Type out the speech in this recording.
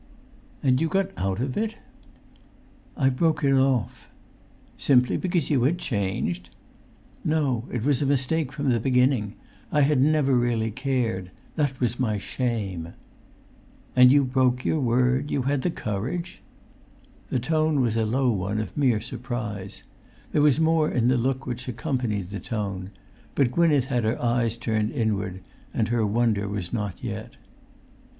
"And you got out of it?" "I broke it off." "Simply because you had changed?" "No—it was a mistake from the beginning. I had never really cared. That was my shame." "And you broke your word—you had the courage!" The tone was a low one of mere surprise. There was more in the look which accompanied the tone. But Gwynneth had her eyes turned inward, and her wonder was not yet.